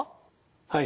はい。